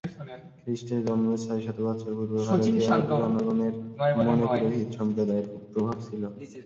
খ্রীষ্টের জন্মের ছয়শত বৎসর পূর্বে ভারতীয় জনগণের মনে পুরোহিত সম্প্রদায়ের খুব প্রভাব ছিল।